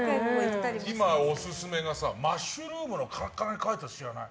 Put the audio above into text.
今、オススメがさマッシュルームのカラカラに乾いたやつ知らない？